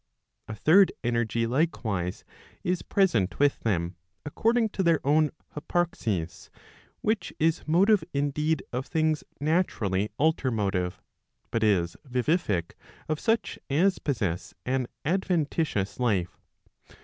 A third energy, likewise, is present with them, according to their own hyparxis, which is motive indeed of things naturally alter motive, but is vivific of such as possess an adventitious life.